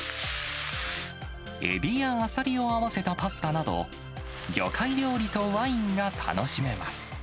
エビやアサリを合わせたパスタなど、魚介料理とワインが楽しめます。